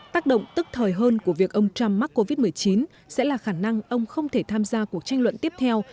tác động tức thời hơn của việc ông trump mắc covid một mươi chín sẽ là khả năng ông không thể tham gia cuộc tranh luận tiếp theo